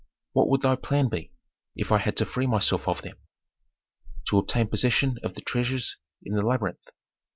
"What would thy plan be, if I had to free myself of them?" "To obtain possession of the treasures in the labyrinth."